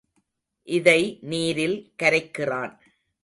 இதனை நீரில் கரைக்கிறான்.